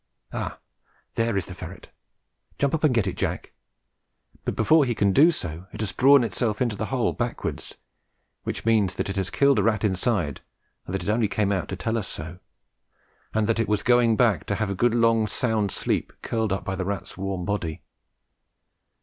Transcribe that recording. Ah, there is the ferret! Jump up and get it, Jack. But before he can do so, it has drawn itself into the hole backwards, which means that it has killed a rat inside and that it only came out to tell us so, and that it was going back to have a good long sound sleep curled up by the rat's warm body.